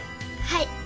はい。